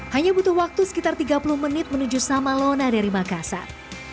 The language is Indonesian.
hanya butuh waktu sekitar tiga puluh menit menuju samalona dari makassar